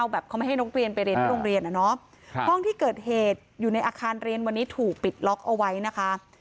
แบบเขาไม่ให้นักเรียนไปเรียนที่โรงเรียนอะเนาะห้องที่เกิดเหตุอยู่ในอาคารเรียนวันนี้ถูกปิดล็อกเอาไว้นะคะ